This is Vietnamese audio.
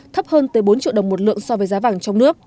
thấp hơn tới bốn triệu đồng một lượng so với giá vàng trong nước